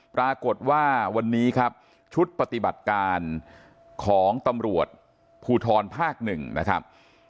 ปรากฏว่าวันนี้ครับชุดปฏิบัติการของตำรวจภูทรภาค๑นะครับ